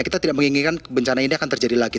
kita tidak menginginkan bencana ini akan terjadi lagi